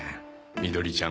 みどりちゃん